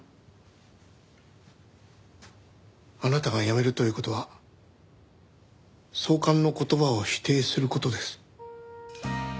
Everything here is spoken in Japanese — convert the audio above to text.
あなたが辞めるという事は総監の言葉を否定する事です。